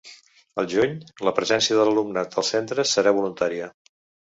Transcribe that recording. Al juny, la presència de l’alumnat als centres serà voluntària.